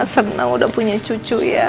senang udah punya cucu ya